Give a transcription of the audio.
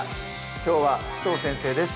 きょうは紫藤先生です